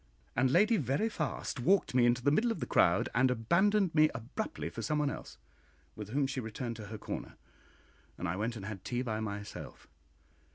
And Lady Veriphast walked me into the middle of the crowd, and abandoned me abruptly for somebody else, with whom she returned to her corner, and I went and had tea by myself.